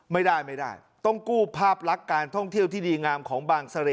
ไม่ได้ไม่ได้ต้องกู้ภาพลักษณ์การท่องเที่ยวที่ดีงามของบางเสร่